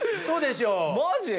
マジ？